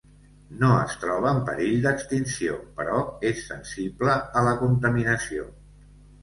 No es troba en perill d'extinció, però és sensible a la contaminació.